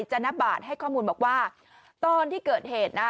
จนบาทให้ข้อมูลบอกว่าตอนที่เกิดเหตุนะ